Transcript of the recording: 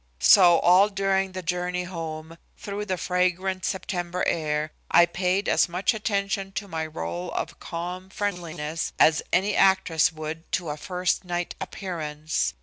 So all during the journey home through the fragrant September air, I paid as much attention to my role of calm friendliness as any actress would to a first night appearance.